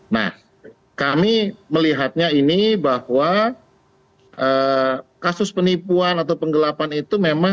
nah kami melihatnya ini bahwa kasus penipuan atau penggelapan itu memang